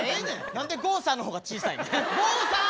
何で郷さんの方が小さいねん。